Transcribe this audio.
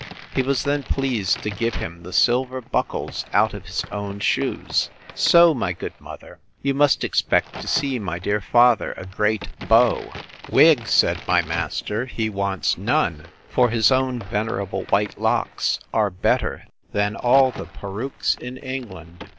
He was then pleased to give him the silver buckles out of his own shoes. So, my good mother, you must expect to see my dear father a great beau. Wig, said my master, he wants none; for his own venerable white locks are better than all the perukes in England.